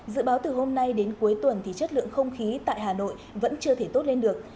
dự báo từ hôm nay đến cuối tuần thì chất lượng không khí tại hà nội vẫn chưa thể tốt lên được